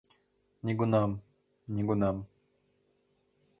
Нигунам, нигунам